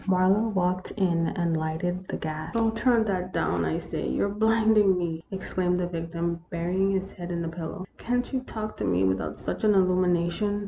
Marlowe walked in and lighted the gas. " Oh, turn that down, I say ; you 're blinding me !" exclaimed the victim, burying his head in the pillow. "Can't you talk to me without such an illumination